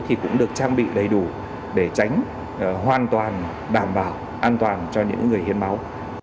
thì cũng được trang bị đầy đủ để tránh hoàn toàn đảm bảo an toàn cho những người hiến máu